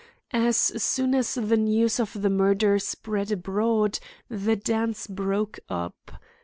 As soon as the news of the murder spread abroad the dance broke up.